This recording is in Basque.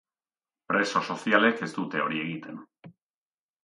Preso sozialek ez dute hori egiten.